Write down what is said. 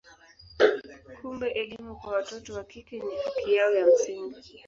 Kumbe elimu kwa watoto wa kike ni haki yao ya msingi.